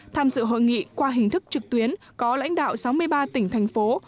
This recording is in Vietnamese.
tham dự hội nghị qua hình thức trực tuyến có lãnh đạo sáu mươi ba tỉnh thành phố